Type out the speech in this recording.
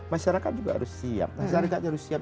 masyarakat juga harus siap masyarakat harus siap